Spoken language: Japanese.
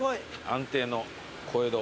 安定の小江戸。